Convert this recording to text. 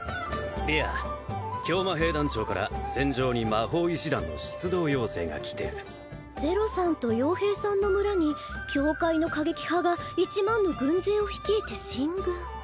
リア教魔兵団長から戦場に魔法医師団の出動要請が来てるゼロさんと傭兵さんの村に教会の過激派が１万の軍勢を率いて進軍